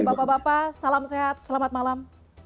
bapak bapak salam sehat selamat malam